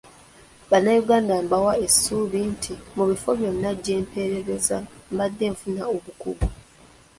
Bannayuganda mbawa essuubi nti mu bifo byonna gye mpeerezza mbadde nfuna obukugu.